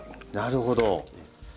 なるほど。